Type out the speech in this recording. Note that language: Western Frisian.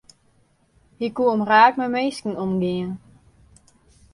Hy koe omraak mei minsken omgean.